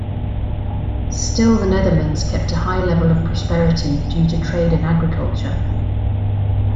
Still the Netherlands kept a high level of prosperity, due to trade and agriculture.